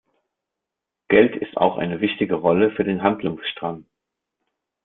Geld ist auch eine wichtige Rolle für den Handlungsstrang.